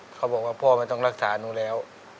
เขาบอกว่าพ่อไม่ต้องรักษาหนูแล้ว